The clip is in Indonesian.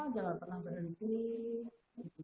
jangan pernah berhenti